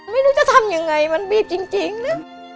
ไม่รู้จะทำยังไงมันบีบจริงนะ